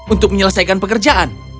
untuk menyelesaikan pekerjaan